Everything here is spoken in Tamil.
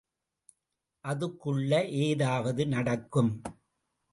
அதுக்குள்ள ஏதாவது நடக்கும்.